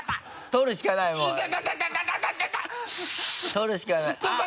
取るしかないあっ！